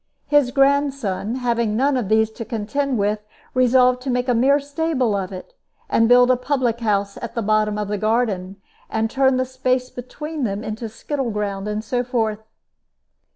His grandson, having none of these to contend with, resolved to make a mere stable of it, and build a public house at the bottom of the garden, and turn the space between them into skittle ground, and so forth.